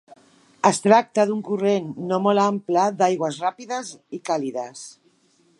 Es tracta d'un corrent no molt ample, d'aigües ràpides i càlides.